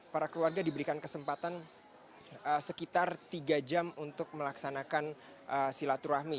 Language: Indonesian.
para keluarga diberikan kesempatan sekitar tiga jam untuk melaksanakan silaturahmi